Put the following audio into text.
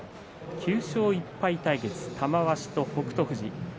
９勝１敗対決玉鷲と北勝富士。